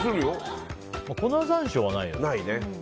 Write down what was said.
粉山椒はないよね。